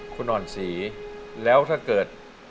คุณอ่อนศรีแล้วถ้าเกิด